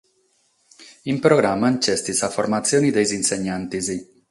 In programa b'est sa formatzione de sos insegnantes.